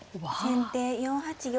先手４八玉。